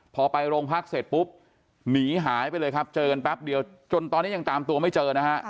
พอไปโรงพักเสร็จปุ๊บหนีหายไปเลยครับเจอกันแป๊บเดียวจนตอนนี้ยังตามตัวไม่เจอนะฮะ